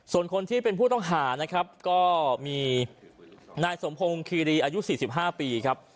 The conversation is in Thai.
ส่วนคนที่เป็นผู้ต้องหานะครับก็มีนายสมพงศ์คีรีอายุ๔๕ปีครับ